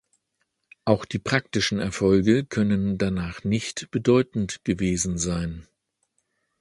Auch die praktischen Erfolge können danach nicht bedeutend gewesen sein.